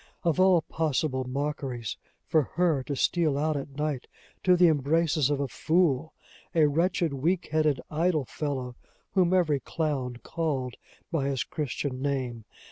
Of all possible mockeries, for her to steal out at night to the embraces of a fool! a wretched, weak headed, idle fellow, whom every clown called by his Christian name!